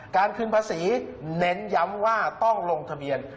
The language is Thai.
การคืนภาษีเน้นย้ำว่าต้องลงทะเบียน